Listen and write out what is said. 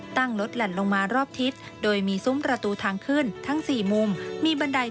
ตั้งรถหลั่นลงมารอบทิศโดยมีซุ้มประตูทางขึ้นทั้ง๔มุมมีบันได